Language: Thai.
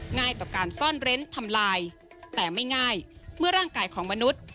ง่ายต่อการซ่อนเร้นทำลายแต่ไม่ง่ายเมื่อร่างกายของมนุษย์